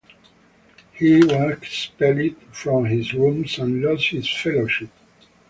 He was expelled from his rooms and lost his Fellowship.